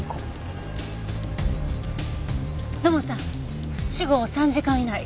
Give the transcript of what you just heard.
土門さん死後３時間以内。